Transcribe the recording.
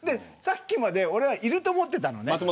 さっきまで俺はいると思ってたのね。